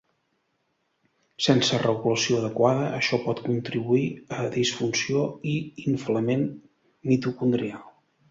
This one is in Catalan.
Sense regulació adequada, això pot contribuir a disfunció i inflament mitocondrial.